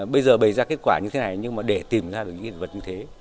bây giờ bày ra kết quả như thế này nhưng mà để tìm ra được những hiện vật như thế